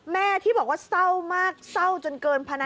แม่ที่บอกว่าเศร้ามากเศร้าจนเกินพนัน